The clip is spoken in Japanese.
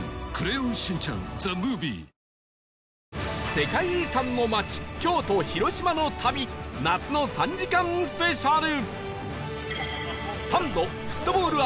世界遺産の町京都・広島の旅夏の３時間スペシャル